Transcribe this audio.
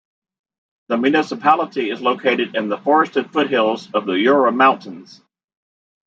The municipality is located in the forested foothills of the Jura Mountains.